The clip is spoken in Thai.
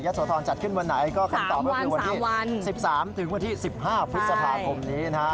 ยัดโสธรจัดขึ้นวันไหนก็คำตอบว่าวันที่๑๓๑๕พฤษภาพกรรมนี้